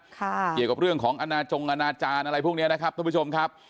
เกี่ยวกับเรื่องของอนาจงอนาจารย์อะไรพวกนี้นะครับท่านผู้ชมครับ